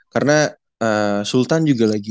karena sultan juga lagi